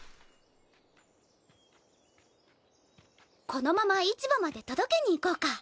このまま市場まで届けに行こうか？